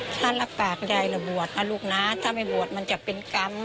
ถ้ารับปากยายเราบวชนะลูกนะถ้าไม่บวชมันจะเป็นกรรม